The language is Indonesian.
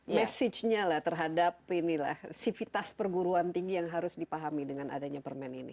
message nya lah terhadap sivitas perguruan tinggi yang harus dipahami dengan adanya permen ini